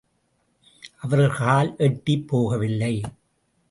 அவர்கள் கால் எட்டிப் போகவில்லை.